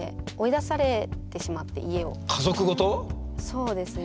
そうですね。